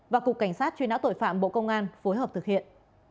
và cục cảnh sát truy nã tội phạm bộ công an phối hợp thực hiện